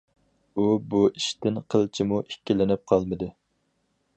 ئۇ بۇ ئىشتىن قىلچىمۇ ئىككىلىنىپ قالمىدى.